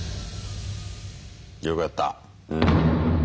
よくやったうん。